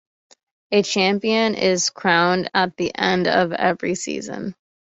A champion is crowned at the end of every season.